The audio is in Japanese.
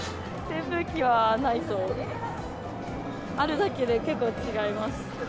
扇風機はないと、あるだけで結構違います。